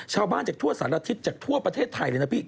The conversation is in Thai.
ชาวบ้านจากทั่วสารทิศจากทั่วประเทศไทยเลยนะพี่